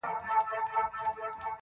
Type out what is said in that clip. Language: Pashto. • ستا خو صرف خندا غواړم چي تا غواړم.